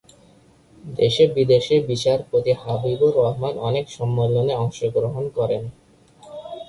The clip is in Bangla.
দেশে-বিদেশে বিচারপতি হাবিবুর রহমান অনেক সম্মেলনে অংশগ্রহণ করেন।